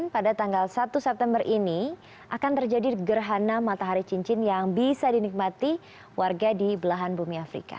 pada tanggal satu september ini akan terjadi gerhana matahari cincin yang bisa dinikmati warga di belahan bumi afrika